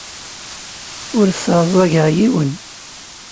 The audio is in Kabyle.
Ur sseɛẓageɣ yiwen.